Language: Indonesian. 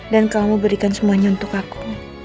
dan kamu berikan semuanya untuk aku